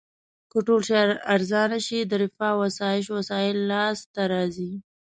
که ټول شیان ارزانه شي د رفاه او اسایش وسایل لاس ته راځي.